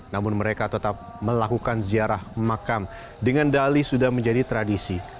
namun mereka tetap melakukan ziarah makam dengan dali sudah menjadi tradisi